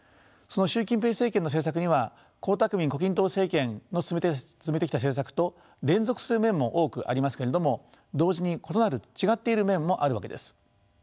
その習近平政権の政策には江沢民胡錦涛政権の進めてきた政策と連続する面も多くありますけれども同時に異なる違っている面もあるわけです。